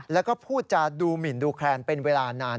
แล้วก็พูดจาดูหมินดูแคลนเป็นเวลานาน